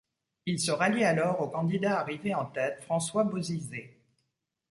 Il se rallie alors au candidat arrivé en tête, François Bozizé.